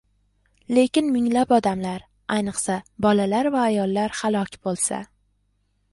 lekin minglab odamlar, ayniqsa, bolalar va ayollar halok bo‘lsa